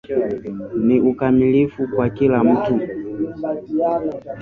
Ni ukamilifu kwa kila mtu